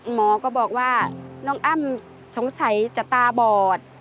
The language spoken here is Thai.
หมอก็บอกว่าน้องอ้ำสงสัยจะตาบอด